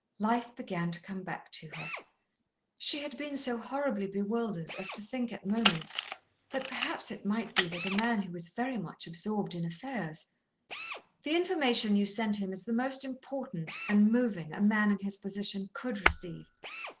Life began to come back to her. She had been so horribly bewildered as to think at moments that perhaps it might be that a man who was very much absorbed in affairs "The information you sent him is the most important, and moving, a man in his position could receive."